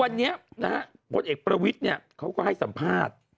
วันนี้นะฮะพลเอกประวิทย์เขาก็ให้สัมภาษณ์